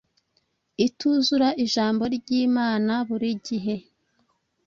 ituzura Ijambo ry’Imana buri gihe